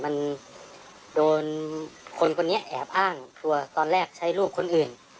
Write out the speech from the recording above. มันโดนคนคนนี้แอบอ้างตัวตอนแรกใช้รูปคนอื่น